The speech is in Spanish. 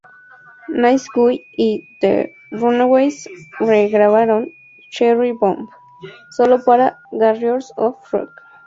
Nice Guy" y The Runaways re-grabaron "Cherry Bomb", solo para "Warriors of Rock".